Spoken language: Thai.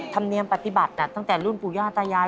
ธรรมเนียมปฏิบัติตั้งแต่รุ่นปู่ย่าตายาย